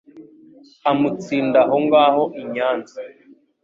amutsinda aho ngaho I Nyanza.